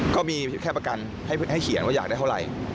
ก็มีแค่ประกันให้เขียนว่าอยากได้เท่าไหร่